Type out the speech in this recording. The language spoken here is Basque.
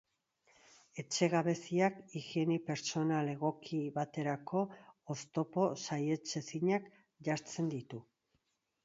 Etxe gabeziak higiene pertsonal egoki baterako oztopo saihetsezinak jartzen ditu.